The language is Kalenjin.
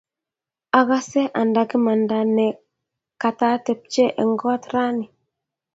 Akase anda kimanda ne katatepche eng kaa raini.